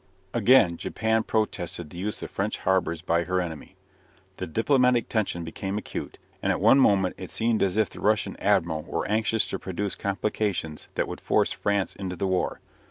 Again Japan protested against the use of French harbours by her enemy. The diplomatic tension became acute, and at one moment it seemed as if the Russian admiral were anxious to produce complications that would force France into the war.